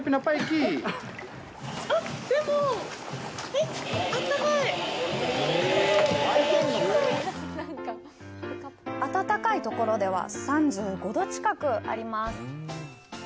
あっ、でも温かいところでは３５度近くあります。